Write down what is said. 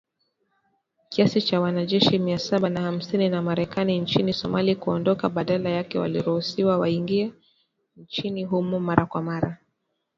Kiasi cha wanajeshi mia saba na hamsini wa Marekani nchini Somalia kuondoka badala yake wakiruhusiwa waingie nchini humo mara kwa mara.